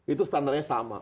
itu standarnya sama